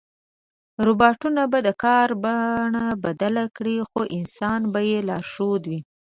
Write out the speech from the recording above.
روباټونه به د کار بڼه بدله کړي، خو انسان به یې لارښود وي.